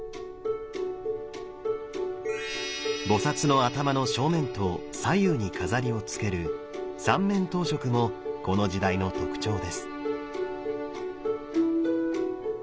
菩の頭の正面と左右に飾りをつける「三面頭飾」もこの時代の特徴です。